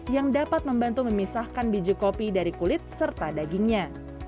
yang dapat membantu memisahkan biji kopi dari kulit serta dagingnya